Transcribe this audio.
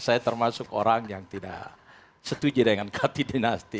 saya termasuk orang yang tidak setuju dengan kati dinasti